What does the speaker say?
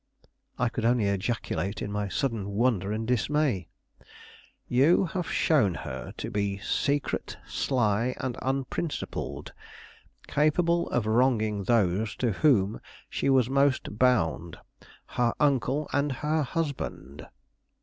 I could only ejaculate, in my sudden wonder and dismay. "You have shown her to be secret, sly, and unprincipled; capable of wronging those to whom she was most bound, her uncle and her husband."